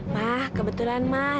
mah kebetulan mah